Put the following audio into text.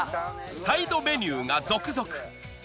サイドメニューが続々。